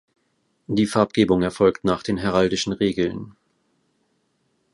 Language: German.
Die Farbgebung erfolgt nach den heraldischen Regeln.